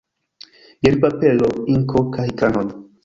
Jen papero, inko kaj kanoj.